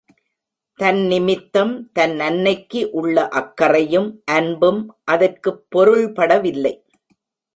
தன் நிமித்தம் தன் அன்னைக்கு உள்ள அக்கறையும் அன்பும் அதற்குப் பொருள்படவில்லை.